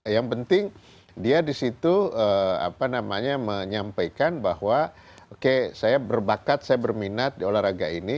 yang penting dia disitu apa namanya menyampaikan bahwa oke saya berbakat saya berminat di olahraga ini